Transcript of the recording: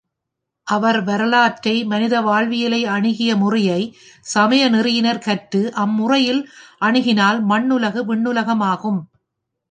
அவர் வரலாற்றை மனித வாழ்வியலை அணுகிய முறையை சமய நெறியினர் கற்று, அம்முறையில் அணுகினால் மண்ணுலகு விண்ணுலகமாகும்.